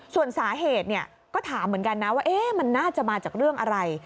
ส่วนสาเหตุก็ถามเหมือนกันนะว่ามันน่าจะมาจากเรื่องอะไร